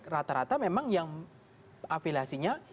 rata rata memang yang afilasinya